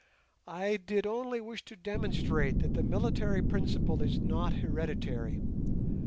"I did only wish to demonstrate that the military principle is not hereditary.